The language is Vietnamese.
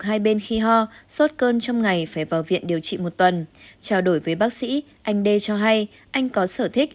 hai bên khi ho sốt cơn trong ngày phải vào viện điều trị một tuần trao đổi với bác sĩ anh đê cho hay anh có sở thích